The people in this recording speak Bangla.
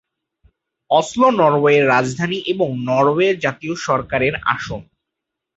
অসলো নরওয়ের রাজধানী এবং নরওয়ের জাতীয় সরকারের আসন।